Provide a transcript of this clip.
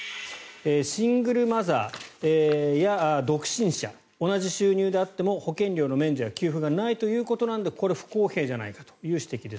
シングルマザーや独身者同じ収入であっても保険料の免除や給付がないということなのでこれ、不公平じゃないかという指摘です。